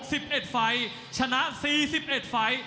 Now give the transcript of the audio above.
ด้วยสถิติการชกมาแล้ว๖๑ไฟ